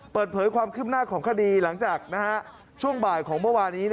เปิดเผยความคืบหน้าของคดีหลังจากช่วงบ่ายของเมื่อวานี้